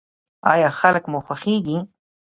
ایا خلک مو خوښیږي؟